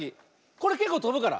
これけっこうとぶから。